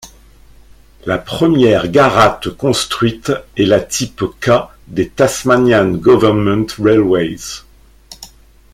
La première Garratt construite est la type K des Tasmanian government railways.